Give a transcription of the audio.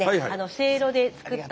せいろで作った。